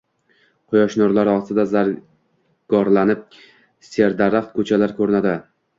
Quyosh nurlari ostida zangorlanib serdaraxt ko`chalar ko`rinadi